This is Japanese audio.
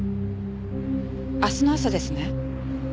明日の朝ですね？